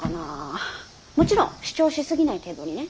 もちろん主張しすぎない程度にね。